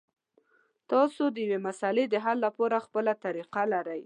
تاسو د یوې مسلې د حل لپاره خپله طریقه لرئ.